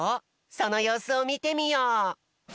そのようすをみてみよう。